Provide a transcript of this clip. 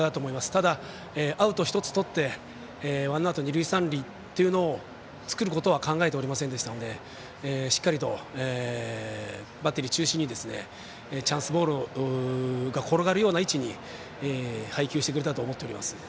ただ、アウト１つとってワンアウト、二塁三塁というのを作ることは考えておりませんでしたのでしっかりとバッテリー中心にチャンスボールが転がるような位置に配球してくれたと思っております。